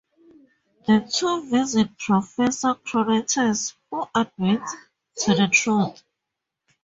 The two visit Professor Chronotis who admits to the truth.